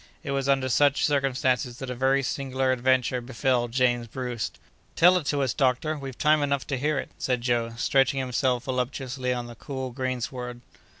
It was under such circumstances that a very singular adventure befell James Bruce." "Tell it to us, doctor; we've time enough to hear it," said Joe, stretching himself voluptuously on the cool greensward.